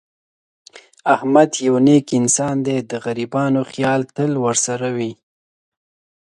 احمد یو نېک انسان دی. د غریبانو خیال تل ورسره وي.